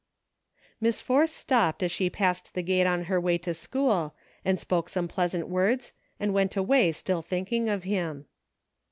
Miss Force stopped as she passed the gate on her way to school and spoke some pleasant words and went away still thinking of him.